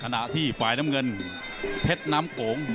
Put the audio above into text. ขณะที่ไฟน้ำเงินเท็ตน้ำโข้ง